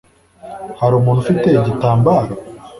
Hari umuntu ufite igitambaro?